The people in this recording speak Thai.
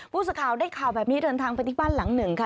ผู้สื่อข่าวได้ข่าวแบบนี้เดินทางไปที่บ้านหลังหนึ่งค่ะ